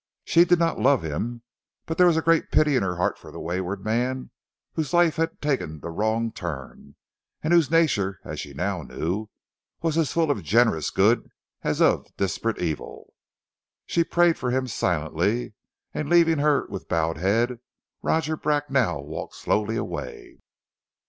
She did not love him, but there was a great pity in her heart for the wayward man whose life had taken the wrong turn, and whose nature as she now knew was as full of generous good as of desperate evil. She prayed for him silently, and leaving her with bowed head, Roger Bracknell walked slowly away.